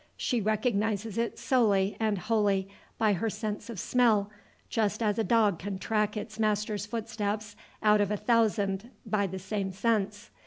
She recognizes it solely and wholly by her sense of smell, just as a dog can track its master's footsteps out of a thousand by the same sense.